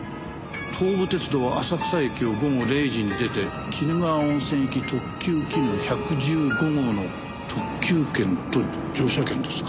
東武鉄道浅草駅を午後０時に出て鬼怒川温泉行き特急きぬ１１５号の特急券と乗車券ですか。